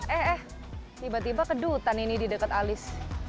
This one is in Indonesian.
eh eh tiba tiba kedutan ini di dekat alis